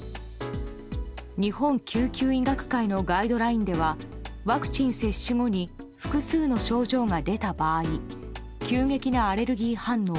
日本救急医学会のガイドラインではワクチン接種後に複数の症状が出た場合急激なアレルギー反応